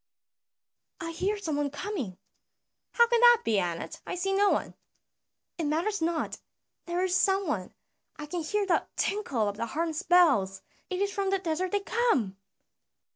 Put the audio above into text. "I hear some one coming." "How can that be, Anat? I see no one." "It matters not, there is some one; I can hear the tinkle of the harness bells, it is from the desert they come."